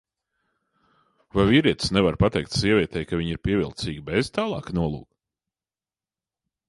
Vai vīrietis nevar pateikt sievietei, ka viņa ir pievilcīga bez tālāka nolūka?